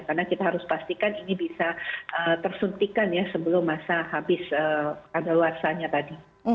karena kita harus pastikan ini bisa tersuntikan ya sebelum masa habis ada luarsanya tadi